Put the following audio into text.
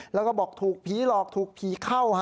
แล้วก็บอกถูกผีหลอกถูกผีเข้า